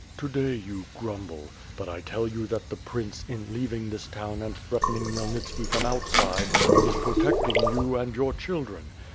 To day you grumble, but I tell you that the prince, in leaving this town and threatening Khmyelnitski from outside, is pro tecting you and your children.